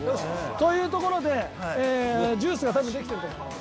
というところでジュースが多分できてると。